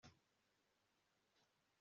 nuko imbaga yose ikihutira gupfukama